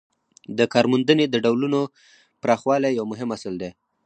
د کارموندنې د ډولونو پراخوالی یو مهم اصل دی.